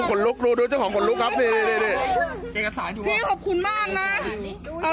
อุ้ยคนลุกดูดูเจ้าของคนลุกครับดูดูพีทขอบคุณมากนะ